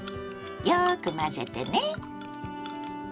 よく混ぜてね。